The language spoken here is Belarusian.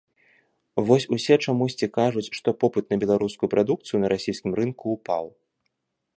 Вось усе чамусьці кажуць, што попыт на беларускую прадукцыю на расійскім рынку ўпаў.